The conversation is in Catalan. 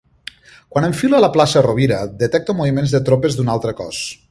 Quan enfilo la plaça Rovira detecto moviments de tropes d'un altre cos.